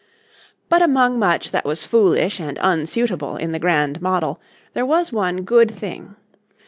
But among much that was foolish and unsuitable in the Grand Model there was one good thing.